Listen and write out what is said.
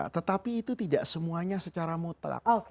tetapi itu tidak semuanya secara mutlak